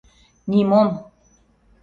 — Нимом!